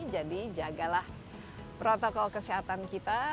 jadi jagalah protokol kesehatan kita